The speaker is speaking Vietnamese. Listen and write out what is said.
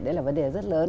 đấy là vấn đề rất lớn